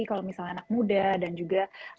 kalau misalnya anak muda dan juga